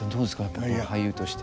やっぱり俳優として。